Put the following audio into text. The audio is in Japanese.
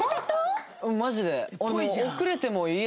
マジで。